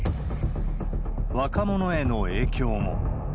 若者への影響も。